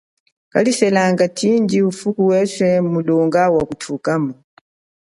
Kaliselangacho ufuku weswe mulonga wakuthukamo.